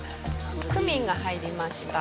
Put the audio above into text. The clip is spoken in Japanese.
クミンが入りました。